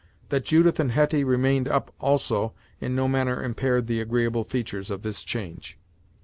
That Judith and Hetty remained up also, in no manner impaired the agreeable features of this change.